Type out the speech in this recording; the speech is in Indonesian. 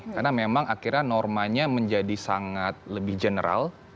karena memang akhirnya normanya menjadi sangat lebih general